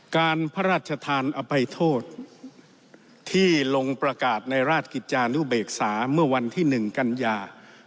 การพระราชทานอภัยโทษที่ลงประกาศในราชกิจจานุเบกษาเมื่อวันที่๑กันยา